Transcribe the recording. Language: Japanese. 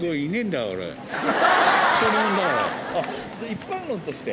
一般論として。